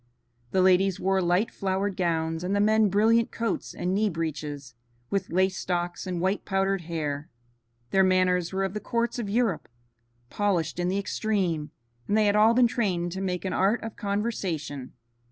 The ladies wore light flowered gowns, and the men brilliant coats and knee breeches, with lace stocks and white powdered hair. Their manners were of the courts of Europe, polished in the extreme, and they had all been trained to make an art of conversation.